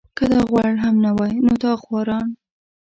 که دا غوړ هم نه وای نو دا خواران.